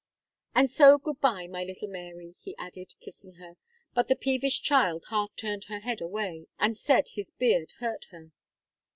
"And so, good bye, my little Mary," he added, kissing her, but the peevish child half turned her head away, and said his beard hurt her.